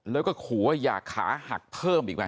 แล้วก็ขอว่าอย่าขาหักเพิ่มอีกไหม